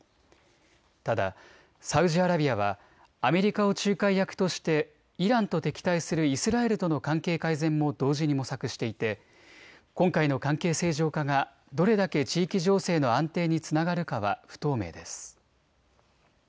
ただサウジアラビアはアメリカを仲介役としてイランと敵対するイスラエルとの関係改善も同時に模索していて今回の関係正常化がどれだけ地域情勢の安定につながるかは不透明です。